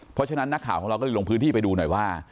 เพราะฉะนั้นนักข่าวของเราก็เลยลงพื้นที่ไปดูหน่อยว่า